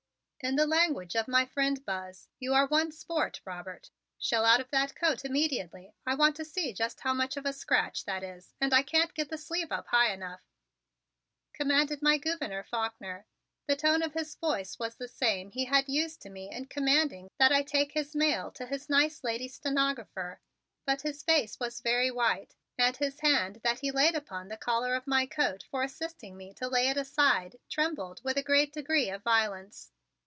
"In the language of my friend Buzz, you are one sport, Robert. Shell out of that coat immediately. I want to see just how much of a scratch that is and I can't get the sleeve up high enough," commanded my Gouverneur Faulkner. The tone of his voice was the same he had used to me in commanding that I take his mail to his nice lady stenographer, but his face was very white and his hand that he laid upon the collar of my coat for assisting me to lay it aside trembled with a great degree of violence.